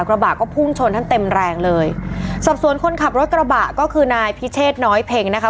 กระบะก็พุ่งชนท่านเต็มแรงเลยสอบสวนคนขับรถกระบะก็คือนายพิเชษน้อยเพ็งนะคะ